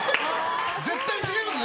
絶対違いますね？